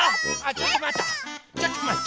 ちょっとまった。